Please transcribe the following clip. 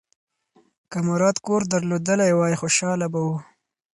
که مراد کور درلودلی وای، خوشاله به و.